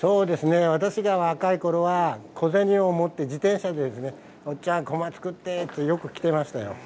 私が若いころは小銭を持って自転車で「おっちゃん、こま作って！」って、よく来てましたよ。